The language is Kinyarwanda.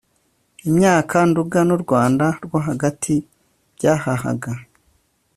imyaka nduga n u rwanda rwo hagati byahahaga